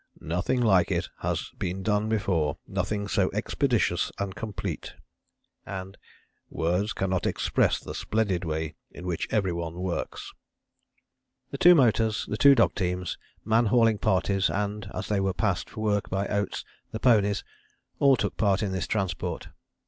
"Nothing like it has been done before; nothing so expeditious and complete." ... and "Words cannot express the splendid way in which every one works." The two motors, the two dog teams, man hauling parties, and, as they were passed for work by Oates, the ponies; all took part in this transport.